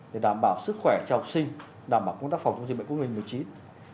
để đảm bảo sức khỏe cho học sinh đảm bảo công tác phòng chống dịch bệnh covid một mươi chín